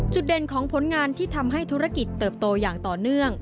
เด่นของผลงานที่ทำให้ธุรกิจเติบโตอย่างต่อเนื่อง